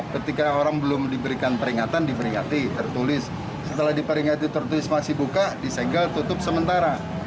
ketika orang belum diberikan peringatan diperingati tertulis setelah diperingati tertulis masih buka disegel tutup sementara